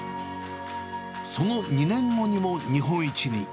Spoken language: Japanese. その２年後にも日本一に。